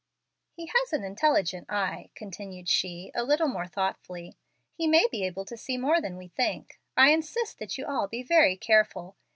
"He has an intelligent eye," continued she, a little more thoughtfully. "He may be able to see more than we think. I insist that you all be very careful.